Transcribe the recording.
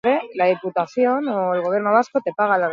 Isolamenduan daude bi pertsona horiek, gaitzaren sintomekin.